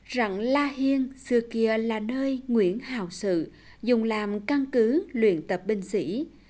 rằng la hiên xưa kia là nơi nguyễn hào sự dùng làm căn cứ luyện tập binh sĩ